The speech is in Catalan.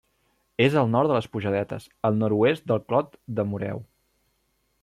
És al nord de les Pujadetes, al nord-oest del Clot de Moreu.